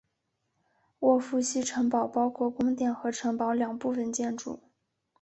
沃夫西城堡包括宫殿和城堡两部分建筑。